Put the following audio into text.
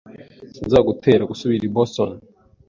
Sinzagutera gusubira i Boston.